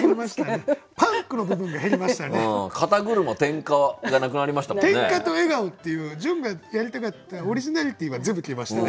「点火」と「笑顔」っていう潤がやりたかったオリジナリティーは全部消えましたね。